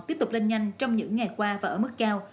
tiếp tục lên nhanh trong những ngày qua và ở mức cao